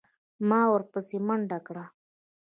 ما ورپسې منډه کړه.